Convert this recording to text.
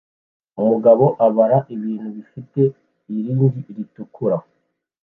Umugabo abara ibintu bifite irangi ritukura